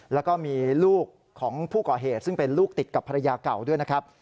แล้วก็มีลูกของผู้ก่อเหตุซึ่งเป็นลูกติดกับภรรยาเก่าด้วยนะครับ